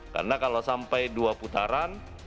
karena kalau sampai dua putaran